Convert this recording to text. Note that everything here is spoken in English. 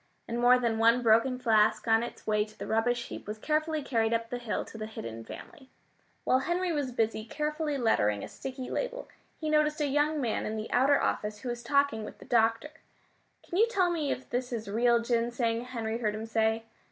And more than one broken flask on its way to the rubbish heap was carefully carried up the hill to the hidden family. While Henry was busy carefully lettering a sticky label, he noticed a young man in the outer office who was talking with the doctor. "Can you tell me if this is real ginseng?" Henry heard him say.